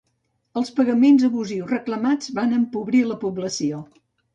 Els pagaments abusius reclamats van empobrir la població.